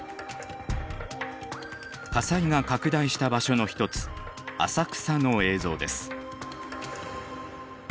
火災が拡大した場所の一つ浅草の映像です。